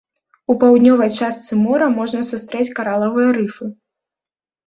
У паўднёвай частцы мора можна сустрэць каралавыя рыфы.